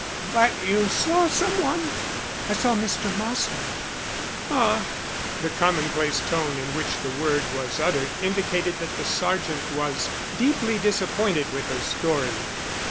"But you saw some one?" "I saw Mr. Marsland." "Ah!" The commonplace tone in which the word was uttered indicated that the sergeant was deeply disappointed with her story.